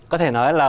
có thể nói là